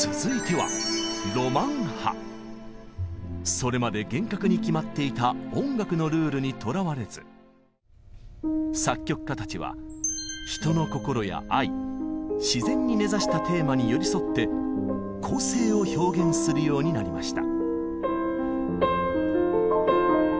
それまで厳格に決まっていた音楽のルールにとらわれず作曲家たちは人の心や愛自然に根ざしたテーマに寄り添って個性を表現するようになりました。